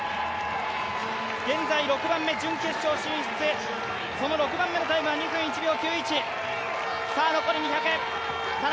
現在、６番目、準決勝進出へ、その６番目のタイムは２分１秒９１。